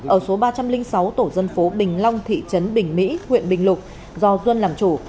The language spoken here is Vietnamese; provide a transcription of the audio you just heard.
ở số ba trăm linh sáu tổ dân phố bình long thị trấn bình mỹ huyện bình lục do duân làm chủ